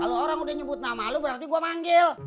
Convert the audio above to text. kalo orang udah nyebut nama lo berarti gue manggil